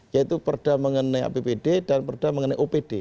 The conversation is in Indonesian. yaitu perda mengenai apbd dan perda mengenai opd